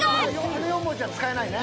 あの４文字は使えないね。